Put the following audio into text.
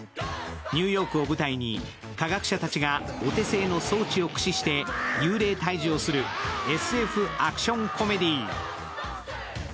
ニューヨークを舞台に科学者たちがお手製の装置を駆使して幽霊退治をするＳＦアクションコメディー。